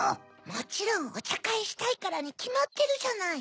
もちろんおちゃかいしたいからにきまってるじゃない。